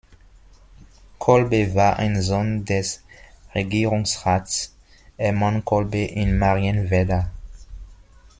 Kolbe war ein Sohn des Regierungsrats Hermann Kolbe in Marienwerder.